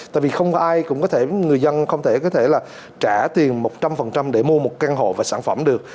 tại vì không ai cũng có thể người dân không thể có thể là trả tiền một trăm linh để mua một căn hộ và sản phẩm được